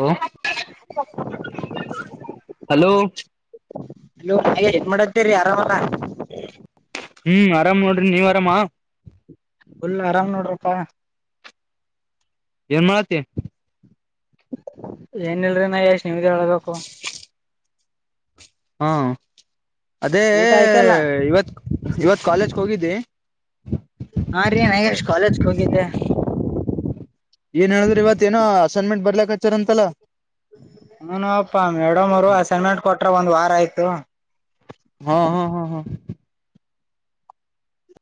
ಹ hello hello ಹಾಗೆ ಏನ್ ಮಾಡತ್ತೇರಿ ಆರಾಮಲ್ಲ ಹ್ಮ್ ಆರಾಮ ನೋಡ್ರ ನೀವ್ವರಾಮಾ ಫುಲ್ಲು ಆರಾಮ್ ನೋಡ್ರಪ್ಪಾ ಏನ್ ಮಾಡತ್ತ ಏನ ಇಲ್ರಿ ನ ಎಷ್ಟು ನಿಮ್ದ ಹೇಳ್ಬೇಕು ಹಾ ಅದೇ ಊಟ ಆಯ್ತಲ್ಲ ಇವತ್ತು ಇವತ್ ಕಾಲೇಜ್ ಹೋಗಿದ್ದೆ ಹಾ ರೀ ನಾಗೇಶ್ ಕಾಲೇಜ್ ಹೋಗಿದ್ದೆ ಸೆರ್ಮೆಂಟ್ ಬರ್ಲಕ್ ಹಚಾರ ಅಂತಲ್ಲ ಹ ನಪ್ಪಾ ಮೇಡಮ್ ಅವರು ಅಶರ್ಮೆಂಟ್ ಕೊಟ್ರ ಒಂದ್ ವಾರ ಆಯ್ತು ಹಾ ಹಾ ಹಾ ಹಾ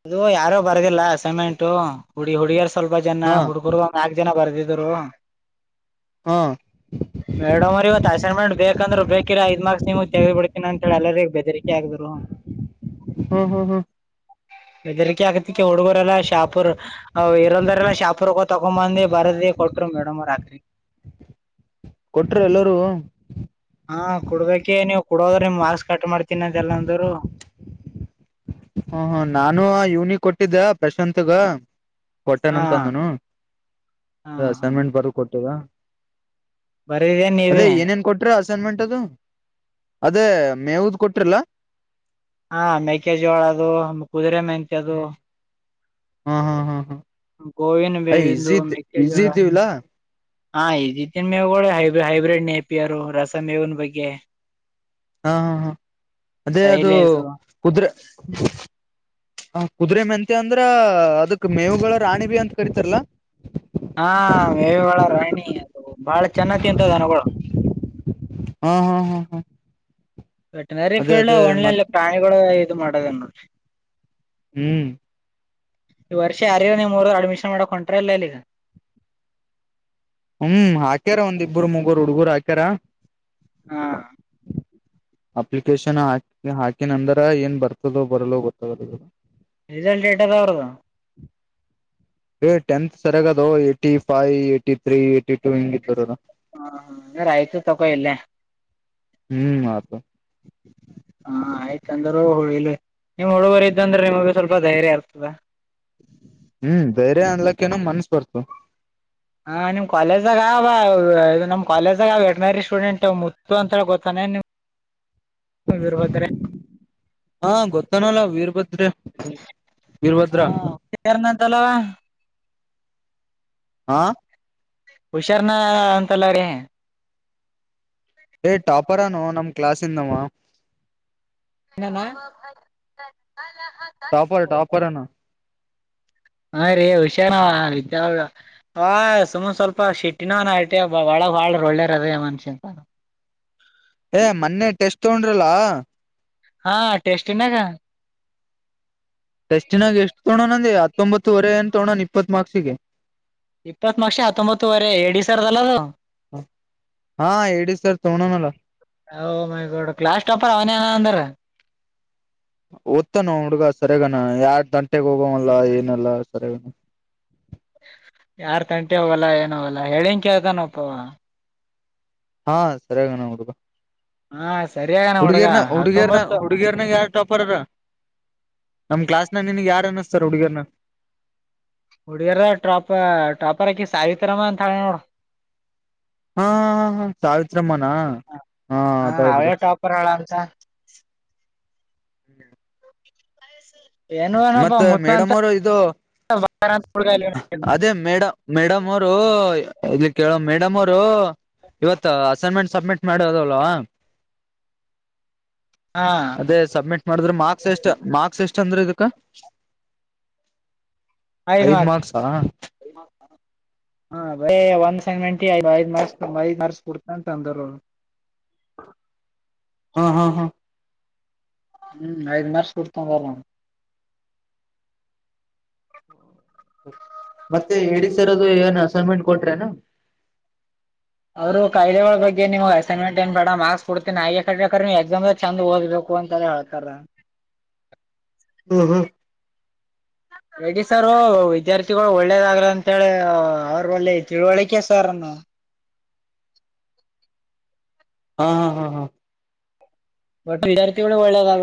ಅದು ಯಾರು ಬರ್ದಿಲ್ಲಸಮೆಂಟು ಹುಡಿ ಹುಡುಗಿಯರು ಸ್ವಲ್ಪ ಜನ ಹಾ ಹುಡುಗರುಗ ನಾಕಕ್ ಜನ ಬರ್ದ ಹಾ ಮೇಡಮ್ ಅವ್ರ ಇವತ್ತು ಅಸೈನ್ಮೆಂಟ್ ಬೇಕ ಯಾಕಂದ್ರೆ ಬೇಕಿರಾ ಐ ಮಾರ್ಕ್ಸ್ ನಿಮ ತೆಗಿ ಬಿಡ್ತನಿ ಅಂತ ಹೇಳ ಎರಿಗ ಬೆದರಿಕೆ ಆಗದ್ರು ಹ್ಮ್ ಹ್ಮ್ ಹ್ಮ್ ಬೆದರಿಕೆ ಆಕತಿಕ ಹುಡ್ಗರೆಲ್ಲಾ ಶಾಪುರ್ ಇರಲ್ದಾರಲ್ಲಾ ಶಾಪುರ್ಗ ತಕೊಂಡಂಬಂದಿ ಬರ ಕೊಟ ಮಡಮರಾಕ್ರೀ ಕೊಟರು ಎಲ್ಲರೂ ಹಾ ಕುಡ್ಬೇಕೆ ನೀವ್ ಕುಡೋದ್ರ ನಿಮ್ ಮಾಸ್ಕ್ ಕಟ್ ಮಾಡ್ತೀನಂತೆ ಎಲ್ಲಂದರು ಹ ಹ ನಾನು ಇವನಿ ಕೊಟ್ಟಿದ್ದ ಪ್ರಶಾತ್ಗ ಹಾ ಕೊಟ್ಟನಂತ ಅಂದನು ಹಾ ಅ ಅಸೈನ್ಮೆಂಟ್ ಬರ ಕೊಟ್ಟದ ಬರಿದೇ ನೀವ ನ್ಮೆಂಟದು ಅದೇ ಮೇವುದ ಕೊಟ್ರಿಲ್ಲ ಹಾ ಮೆಕೆಜೋಳ ಅದು ಕುದುರೆ ಮೆಹತ್ಯ ಅದು ಹಾ ಹಾ ಹಾ ಹಾ ಗೋವಿಂದ ಅಯ್ ಬೇವಿಂದು ಈಸಿ ಈಸಿ ಮೆಕ್ಕೆಜೋಳ ಇದ್ದೀವಿಲ್ಲಾ ಹಾ ಇದಿದ್ದನ್ ಮೇವುಗಳ ಹೈಬ್ರ ಹೈಬ್ರಿಡ್ ನಪಿರು ರಸ ಮೇವನ್ ಬಗ್ಗೆ ಹಾ ಹಾ ಹಾ ಅದೇ ಅದು ಸೈಲೇಸು ಕುದುರೆ ಹ ಕುದುರೆೆ ಮೆಂತೆ ಅಂದ್ರ ಅದಕ್ ಮೇವುಗಳ ರಾಣಿಬಿ ಅಂತ ಕರಿತಾರಲ್ಲಾ ಹಾ ಮೇವವಾಳ ರಾಯಣಿ ಅದು ಬಾಳ ಚೆನ್ನ ತಿಂತದ ಅನಗಳು ಹ್ಮ ಹ್ಮ ಹ್ಮ ಹ್ಮಾ ವೆಟನರಿ ಫೀಲ್ಡ್ ಒನ್ಲಲ್ಲ ಪ್ರಾಣಿಗಳು ಇದು ಮಾಡದ ನೋಡಿ ಹ್ಮ್ ಈ ವರ್ಷ ಯಾರರ ನಿಮ್ಮೂರ ಅಡ್ಮಿಷನ್ ಮಾಡಕ್ ಹೊಂಟ್ರ ಇಲ್ಲ ಇಲ್ಲಿ ಈಗ ಹ್ಮ್ ಹಾಕ್ಯಾರ ಒಂದ್ ಇಬ್ಬರು ಮೂಗೂರು ಹುಡ್ಗರು ಹಾಕ್ಯಾರ ಹಾ ಅಪ್ಲಿಕೇಶನ್ ಹಾಕಿ ಹಾಕಿನಂದ್ರ ಏನ್ ಬರ್ತದೋ ಬರಲ್ಲೋ ಗೊತ್ತಾಗಲ್ಲ ರಿಸಲ್ಟ್ ಏಟದ ಅವರದಾ ಟೆಂತ್ ಸರ ಏ ಫ ಏ ತ್ರೀ ಏಟಿ ಟು ಹಂಗ ಇದ ಬರ ಹಾಾರ ಆಯ್ತು ತಗೋ ಇಲ್ಲ ಹ್ಮ್ ಆತ ಹಾ ಆಯ್ತ ಅಂದರುೂ ಹಳಿಲ್ ನಿಮ್ ಹುಡುಗರು ಇದ್ದಂದ್ರೆ ನಿಮಗೆ ಸ್ವಲ್ಪ ಧೈರ್ಯ ಇರ್ತದೆ ಹ್ಮ್ ಬೇರೆ ಅನ್ಲಕ್ಕ ಏನ ಮನ್ಸ ಬರ್ತು ಹಾ ನಿಮ್ ಕಾಲೇಜಾಗ ನಮ್ ಕಾಲೇಜಾಗ ವಟನರಿ ಸ್ಟೂಡೆಂಟ್ ಮುತ್ತು ಅಂತೇಳ ಗೊತ್ತಾನೆ ನೀವಿರ್ಬೋದ್ರ ಹಾ ಗೊತ್ತನಲ್ಲ ವೀರಭದ್ರ ವೀರಭದ್ರ ಹಾ [inaudible] ಹಾ ಹುಷಾರ್ನ ಅಂತಲ್ಲ್ರ ಏಟಾಪರನು ನಮ ಕ್ಲಾಸ್ದಮ್ಮ [inaudible] ಟಾಪರ್ ಟಾಪರ್ನಾ ಹ ರರಿ ಹುಷಾರ ವಿದ್ಯಾಳ ಆ ಸುಮನ್ ಸ್ವಲ್ಪ ಶೆಟ್ಟಿನ ಆಟೆ ಬಳ ಬಾಳ್ರ ಒಳ್ಳೇರ ಅದೇ ಮನ್ಷಿನ್ಂತ ಏ ಮೊನ್ನೆ ಟೆಸ್ಟ್ ತಗೊಂಡ್ರಲ್ಲ ಹಾ ಟೆಸ್ಟ ನಾಗ ಟೆಸ್ಟಿನಾಗ ಎಷ್ಟು ತಗೋಣ ಅಂದೆ ಹತ್ತೊಂಬತ್ತುವರೆ ಅನ್ ತ್ತೆಕೊಂಡಾ ಇಪ್ಪತ್ ಮಾರ್ಕ್ಸಿಗೆ ಇಪ್ಪತ್ಮ ಮಾರಕ ಜೆ ಹತ್ತೊಂಬತ್ತುವರೆ ಎಡ ಸರ್ದಲ್ಲದು ಹಾ ಹೇಳಿ ಸರ್ ತೊಗೋಣನಲ್ಲ ಹ ಕ್ಲಾಸ್ ಟಾಪರ್ ಅವನ ಅಂದ್ರ ಓದ್ತನ ಹುಡ್ಗ ಸರಿಯಗಾನ ಯಾರ್ ದಂಟೆೆಗೆ ಹೋಗವಲ್ಲ ಏನಲ್ಲ ಸರಿಯಗಾನ [inaudible] ಯಾರ್ ತಂಟಿ ಅವೋಗಲ್ಲ ಏನ್ೋಗಲ್ಲ ಹೇಳಿನ್ ಕೇಳ್ತಾನಪ್ಪವ ಹಾ ಸರಿಯಾಗಿಣ ನಡುಬ ಹಾ ಸರಿಯಾಗನ ಹುಡ್ಗ ಹುಡುಗಿಯರ್ನ ಹುಡುಗಿಯರ್ನ ಹತ್ತೊಂಬತ್ತು ಹುಡುಗಿಯರ್ನ ಯಾರು ಟಾಪರ್ರ ಎಲ್ಲಾ ನಮ್ ಕ್ಲಾಸ್ ನ ನಿನಗ್ ಯಾರ ಅನತರ್ ಹುಡುಗರ್ನ ಹುಡುಿಯರ ಟಾಪ ಟಾಪರ್ಾಕಿ ಸಾವಿತ್ರಾರಮ್ಮ ಅಂತ ಹೇಳ ನೋಡ ಹಾ ಹ ಸಾವಿತ್ರಮ್ಮನ ಹಾ ಅದಳ್ಬಿಡು ಹ [inaudible] ಏನು ಏನಪ್ಪ ಮತ್ತ ಮುತ್ತಂತ ಮೇಡಮ್ ಅವರು ಇದು ಅದೇ ಮೇಡ ಮೇಡಮ್ ಅವರು ಇಲ್ಲಿ ಕೇಳೋ ಮೇಡಮ್ ಅವರು ಇವತ್ ಅಸೈನ್ಮೆಂಟ್ ಸಬ್ಮಿಟ್ ಮಾಡಿದವಲ್ವಾ ಹಾ ಅದೇ ಸಬ್ಮಿಟ್ ಮಾಡಿದ್ರೆ ಮಾರ್ಕ್ಸ್ ಎಷ್ಟ ಮಾರ್ಕ್ಸ್ ಎಷ್ಟ ಅಂದ್ರೆಗತ್ತ ಕ [inaudible] ಹಸೈನ್ಮೆಂಟ್ಗೆ ಐದು ಮಾರ್ಕ್ಸ್ ಕೊಡ್ತೀನಿ ಅಂದರೆ ಹ್ಮ ಹಾ ಹಾ ಹ್ಮ್ ಹೆಡ್‌ಮಾಸ್ತರ ಕೊತ ಬರಾ ಮತ್ತೆ ಎ ಡಿ ಸರ್ ಅದು ಏನು ಅಸೈನ್ಮೆಂಟ್ ಕೊಟ್ರೇನಾ ಅವ್ರು ಕಾಯ್ದೆಗಳ ಬಗ್ಗೆ ನೀವು್ ಅಸೈನ್ಮೆಂಟ್ ಏನ್ ಮಾಡ ಮಾರ್ಕ್ಸ್ ಕೊಡ್ತೀನಿ ಆ್ರ ನೀ ಎಕ್ಸಾಮ್ಾಗ ಚಂದ್ ಓ್ಬೇಕು ಅಂತ ಹೇಳ್ತಾರ [inaudible] ಹ್ಮ್ ಹ್ಮ್ [inaudible] ರೆಡ್ಡಿ ಸಾರ ವಿದ್ಯಾರ್ಥಿಗಳು ಒಳ್ಳೇದಾಗ್ಲ ಅಂತೇಳಿ ಅವ್ರ ಒಳ್ಳೆ ತಿಳುವಳಿಕೆ ಸಾರ್ ಹಾ ಹಾ ಹಾ ಹಾ ಬಟ್ಟ ವಿದಾರ್ಥಿಗಳು ಒಳ್ಳೆಯ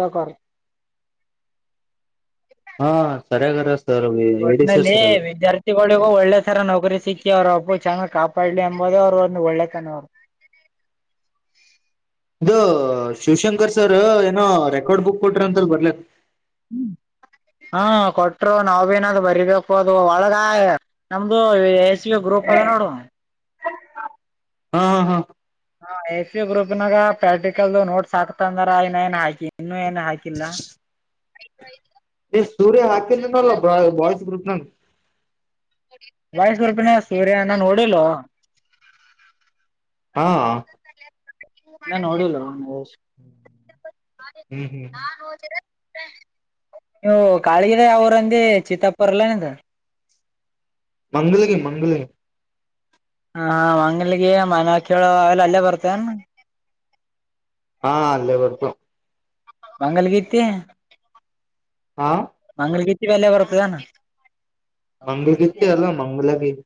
ಹಾ ಸರಿಯಾಗಾರ ಸರ್ ಹೇಳಿ ಸರ್ ಒಟ್ನಲ್ಲಿ ಸರಿಯಾಗಾರ ವಿದ್ಯಾರ್ಥಿಗಳಿಗೂ ಒಳ್ಳೆ ತರ ನೌಕರಿ ಸಿಕ್ಕಿ ಅವ್ರ ಒಬ್ಬ ಚೆನ್ನಾಗ್ ಕಾಪಾಡ್ಲಿ ಎಂಬುದೇ ಅವರು ಒಂದು ಒಳ್ಳೆತನವರು [inaudible] ಇದು ಶಿವಶಂಕರ್ ಸರ್ ಏನೋ ರೆಕಾರ್ಡ್ ಬುಕ್ ಕೊಟ್ರ ಅಂತಲ್ ಬರ್ಲ ಹ್ಮ್ ಹಾ ಕೊಟ್ರು ನಾವ್ ಏನಾದ ಬರಿಬೇಕು ಅದು ಒಳಗ ನಮ್ದು ಸಿ ಗ್ರರುಪ್ ಅದೆ ನೋಡ ಹಾ ಹಾ ಹಾ ಹ ಎಸ್ ಪ ಗ್ರೂಪ್ನಾಗ ಪ್ರಾಕ್ಟಿಕಲ್ ನೋಟ್ಸ್ ಹಾಕ್ತಂದ್ರ ನ ಏನ್ ಹಾಕಿ ಇನ್ನುೂ ಏನು ಹಾಕಿಲ್ಲ ಎ ಸೂರ್ಯ ಹಾಕ ನಲ್ಲ ಬಯಿಸ ಗೃಪ್ನ ಬಾಯ್ಸ್ ಗ್ರೂಪ್ ನ ಸೂರ್ಯ ನಾ ನೂಡನೋಡಿಲ್ಲ ಹಾ ನ ನೋಡಿಲ್ಲ ನನ್ದರ [inaudible] ಹ್ಮ್ ಹ್ಮ್ [unintelligible] ಅವರಂದೇ ಚಿತ್ತಾಪುರ್ಲ್ಲನದ ಮಂಗಲಗೆ ಮಂಗಲಗೆ ಹ ಮಂಗಲ್ಗೆ ಮನ ಕೇಳ ಅವೆಲ್ಲ ಅಲ್ಲೇ ಬರ್ತೇ [unintelligible] ಹಾ ಅಲ್ಲೇ ಬರ್ತಾವ ಮಂಗಲ್ ಗತ್ತಿ [unintelligible] ಹಾ ಮಂಗಲ್ [unintelligible] ಮಂಗಲ್ಗತಿ ಅಲ್ಲ ಮಂಗಲ [unintelligible]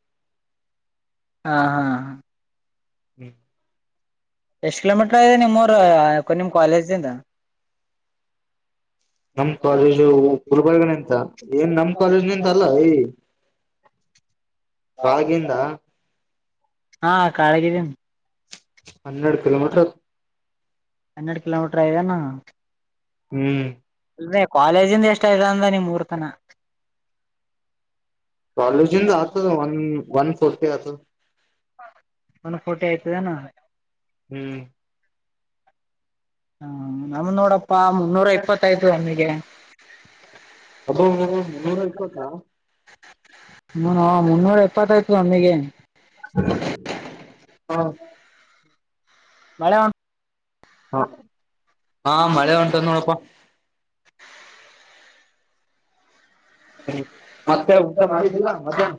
ಹಾ ಹಾ ಹ್ಮ ಎಷ್ಟ್ ಕಿಲೋಮೀಟರ್ ಇದೆ ನಿಮ್ಮೂರು ನಿಮ್ ಕಾಲೇಜಿಂದ. ನಮ್ ಕಾಲೇಜು ಗುಲ್ಬರ್ಗಂತ [unintelligible] ಏನ್ ನಮ್ ಕಾಲೇಜ್ ನಿಂತ ಅಲ್ಲಾ [unintelligible] [unintelligible] ಹಾ ಕಾಳಗಿ [unintelligible] ಹನ್ನೆರಡು ಕಿಲೋಮೀಟರ್ ಹನ್ನೆಡ್ ಕಿಲೋಮೀಟರ್ [unintelligible] ಹ್ಮ್ ಅದೇ ಕಾಲೇಜಿಂದ ಎಷ್ಟ [unintelligible] ಅಂದ ನನಿಮ್ಮೂರ್ಕಿನ್ನ [unintelligible] ಕಾಲೇಜಿಂದ [unintelligible] ಒನ್ ವನ್ಫರ್ಟಿ ಆತ ಒಂದ್ [unintelligible] ಹ್ಮ್ ಹಾ [unintelligible] ನೋಡಪ್ಪಾ ಮುನ್ನೂರ ಇಪ್ಪತ್ತಯ್ತು ನಮಿಗೆ. [inaudible] ಅಬ್ಬ ಮುನ್ನೂರ ಇಪ್ಪತ್ತ ಹ ಮುನ್ನೂರ ಎಪ್ಪತ್ತಾಯ್ತು [unintelligible] ಹಾ [unintelligible] ಮಳೆ [unintelligible] ಹ ಹಾ ಮಳೆ [unintelligible] ನೋಡಪ್ಪ [inaudible] ಮತ್ತೆ ಊಟ ಮಾಡಿದ್ದಿಲ್ಲ ಮಧ್ಯಾಹ್ನ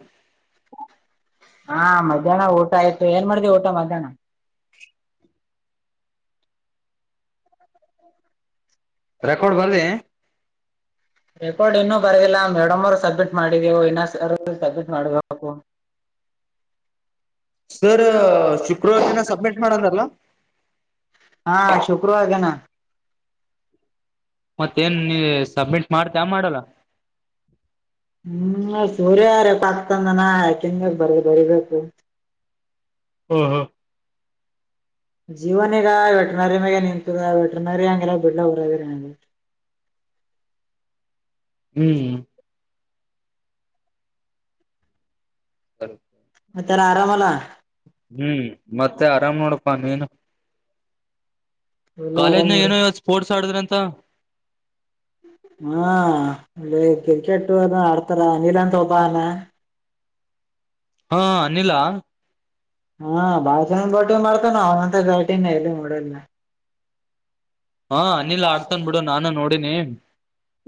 ಹಾ ಮಧ್ಯಾಹ್ನ ಊಟ ಆಯ್ತು ಏನ್ ಮಾಡ್ದವಿ [unintelligible] ಊಟ ಮಧ್ಯಾಹ್ನ. ರೆಕಾರ್ಡ್ ಬರದಿ. ರೆಕಾರ್ಡ್ ಇನ್ನು ಬರದಿಲ್ಲ ಮೇಡಮ್ ಅವರು ಸಬ್ಮಿಟ್ ಮಾಡಿದಿವಿ [unintelligible] ಇನ್ನ ಸಬ್ಮಿಟ್ ಮಾಡಬೇಕ್ [unintelligible] ಸರ್ ಶುಕ್ರವಾರ [unintelligible] ಸುಭ್ಮಿಟ್ ಮಾಡಣಲ್ಲ ಹಾ ಶುಕ್ರವಾರ ದಿನ. ಮತ್ತೇನ್ ನೀ ಸಬ್ಮಿಟ್ ಮಾಡ್ತೀಯ ಮಾಡಲ್ಲ. ಹ್ಮ್ ಸೂರ್ಯ [unintelligible] ಆಗ್ತಂದನ ಯಾಕೆಂಗ [unintelligible] ಬರಿಬೇಕು [unintelligible] ಜೀವನಗ ವೆಟನರಿ ಮಾಗೆ [unintelligible] ನಿಂತ [unintelligible] ಹ್ಮ್ [unintelligible] [unintelligible] ಆರಾಮಲ್ಲ. ಹ್ಮ್ ಮತ್ತೆ ಆರಾಮ್ ನೋಡಪ್ಪ ನೀನು. ಎಲ್ಲ ಆರಾಮ್ ಕಾಲೇಜ್ನಾಗ ನೋಡಿ ಏನು ಇವತ್ [unintelligible] ಸ್ಪೋರ್ಟ್ಸ್ ಆಡಿದ್ರ ಅಂತ. ಹಾ ಇ ಕ್ರಿಕೆಟ್ ಏನೋ ಆಡ್ತಾರ ಅನಿಲ್ ಅಂತ ಒಬ್ಬ [unintelligible] ಹಾ ಅನಿಲ್ ಹ ಹಾ ಬಾಳ [unintelligible] ಬ್ಯಾಟಿಂಗ್ ಮಾಡ್ತಾನ ಅವನಂತ ಗಾಟಿನ [unintelligible] ನಾನ್ ಎಲ್ಲಿ ನೋಡೇಯಿಲ್ಲ ಹಾ ಅನಿಲ್ ಆಡ್ತನ ಬಿಡು ನಾನು ನೋಡಿನಿ.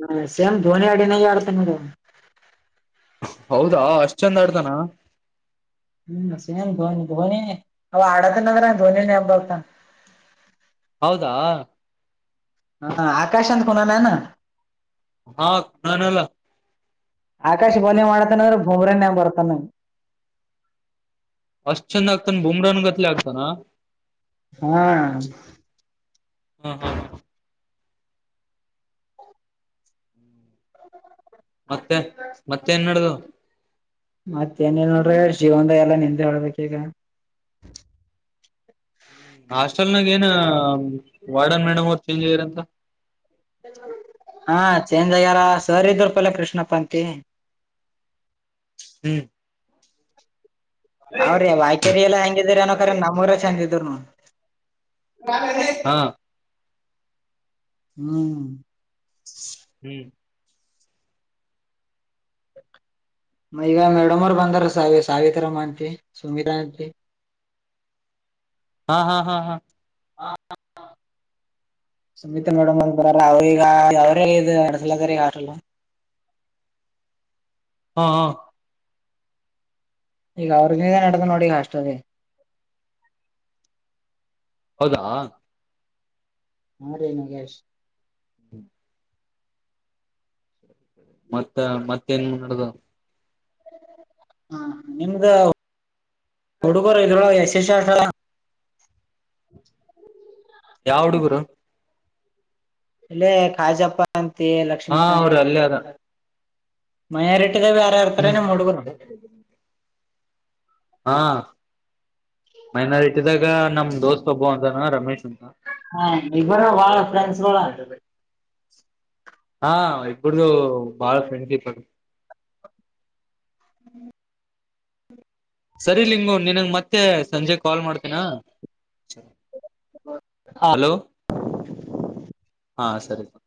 ಹಾ ಸೇಮ್ ಧೋನಿ [unintelligible] ಆಡ್ತ [unintelligible] ಹೌದಾ ಅಷ್ಟ್ ಚಂದ ಆಡ್ತಾನ. ಹ್ಮ್ ಸೇಮ್ ಧೋನ್ ಧೋನಿನೇ ಅವ [unintelligible] ಧೋನಿ ನೆನ್ಪ್ ಬರ್ತಾನ. ಹೌದಾ ಹ ಆಕಾಶ್ ಅಂತ ಕುನಾನಾನ ಹಾ ನಾನಲ್ಲ ಆಕಾಶ ಬಲಿಂಗ್ ಮಾಡತಾನೆ ಅಂದ್ರೆ ಬೂಮ್ರನ್ಯ ಬರ್ತಾನೆ. ಅಷ್ಟ್ ಚಂದ ಆಗ್ತಾನ ಬುಮ್ರಾನ್ ಗತ್ಲೆ ಆಗ್ತಾನ. ಹಾ ಹ್ಮ ಹಾ ಮತ್ತೆ ಮತ್ತೆ ನ್ ನಡದು ಮತ್ತೇಏನೇ ನೋಡ್ರಿ ಜೀವನ್ದಾಗ ಎಲ್ಲ ನಿಂದೆ ಹೇಳ್ಬೇಕ ಈಗ ಹ್ಮ ಹಾಸ್ಟೆಲ್ ನಾಗ ಏನ ವಾರ್ಡನ್ ಮೇಡಮ್ ಅವ್ರರು ಚೇಂಜ್ ಆಗ್ಯಾರಂತ ಹಾ ಚೇಂಜ್ ಆಗ್ಯಾರ ಸರ್ ಇದರು ಪಹಳೇ ಕಷ್ [unintelligible] ಉಷ್ಣಪಂತೆ ಹ್ಮ್ ಅವ್ರ ವಾಯ್ಕೇರಿ ಎಲ್ಲಾ ಹೆಂಗಿದ್ರ ಅನಕ್ರ ನಮ್ಮೂರ ಚೆಂದಿದರುನು ಹಾ ಹ್ಮ್ ಹ್ಮ್ ಮೈಗ ಮೇಡಮೋರ್ ಬಂದಾರ ಸಾವಿ ಸಾವಿತ್ರಾರ ಮಾ ಅಂತ ಸುಮಿತ ಅಂತೆ ಹಾ ಹಾ ಹಾ ಹಾ ಹ ಸಮೀಿತಾ ಮೇಡಮ್ ಅಂತರಾರ ಅವ್ರಗ ಅವ್ರ ಇ ಅಡ್ಸಲದಾರ ಈಗ ಆಲ್ಲ [unintelligible] [inaudible] [inaudible] ಹಾ ಹಾ ಈಗ ಅವ್ರಂದ ನಡೆದು ನೋಡಿಗ ಹಾಸ್ಟಲ್ಲಿ ಹೌದಾ ಮಾಡ ರನು ಕೇಶ [unintelligible] ಮತ್ತ ಮತ್ತೇನ್ಡ್ದ [unintelligible] ಹ ನಿಮ್ದ ಹುಡುಗರು ಇಲ್. [inaudible] ಯಾವ ಹುಡುಗರು ಇಲ್ಲೇ ಕಾಜಪ್ಪ ಅಂತ ಹಾ ಲಕ್ಷ್ಮೀಿಕಾತ್ ಅವ್ರ ಅಂತ ಅಲ್ಲೇ ಅದ ಮಯಾರಿಟ್ಟಿಿದ ಬೇಾರ ಹ್ಮ್ ಇರ್ತಾರೆನೆ ಮೂಡುಗರು [unintelligible] ಹಾ ಮೈನಾರಿಟಿದಾಗ ನಮ ದೋಸ್ತ್ ಒಬ್ಬ ಅಂತಾನ ರಮೇಶ್ ಅಂತ ಹಾ ಇಬ್ಬರು ಬಾಳ ಫ್ರೆಂಡ್ಸ್ ಅಂಂತದೆ ಹಾ ಇಪ್ಪಡದು ಬಾಳ ್ರೆಂಡ್ ಕೀಪರ್ [unintelligible] ಹ್ಮ್ ಸರಿ ಲಂಗೋ ನೀನಂಗ ಮತ್ತೆ ಸಂಜೆ ಕಾಲ್ ಮಾಡ್ತೀನಾ ಹ ಹಲೋ ಹಾ ಸರಿ ಸ